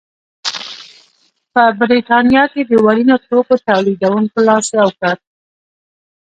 په برېټانیا کې د وړینو توکو تولیدوونکو لاس یو کړ.